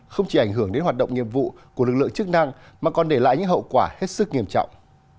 không chỉ ảnh hưởng đến hoạt động nghiệp vụ của lực lượng chức năng mà còn để lại những hậu quả hết sức nghiêm trọng